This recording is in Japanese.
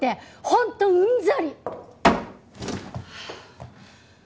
本当うんざり！